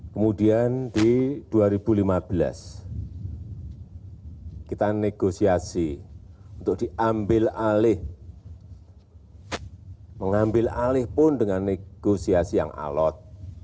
kemudian di dua ribu lima belas kita negosiasi untuk diambil alih mengambil alih pun dengan negosiasi yang alot